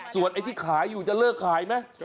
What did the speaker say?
ส่วนไอ้ที่ขายอยู่จะเลิกขายไหม